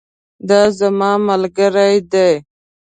دا زما ملګری دی